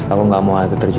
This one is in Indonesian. aku gak mau hal itu terjadi